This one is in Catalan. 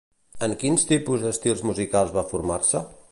En quins tipus d'estils musicals va formar-se?